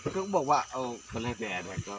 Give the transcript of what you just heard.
เขาบอกว่าเอาฝรั่งแดดไว้